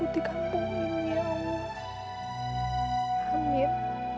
di kampungnya allah amir